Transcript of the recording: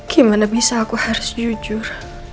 gimana bisa aku harus jujur